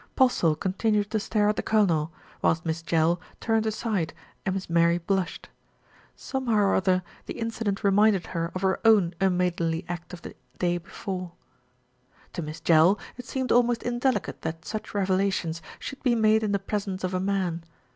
Postle continued to stare at the Colonel, whilst Miss Jell turned aside and Miss Mary blushed. Somehow or other the incident reminded her of her own un maidenly act of the day before. A VILLAGE DIVIDED AGAINST ITSELF 231 To Miss Jell, it seemed almost indelicate that such revelations should be made in the presence of a man.